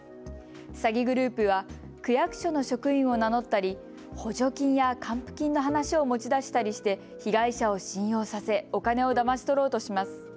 詐欺グループは区役所の職員を名乗ったり補助金や還付金の話を持ち出したりして被害者を信用させお金をだまし取ろうとします。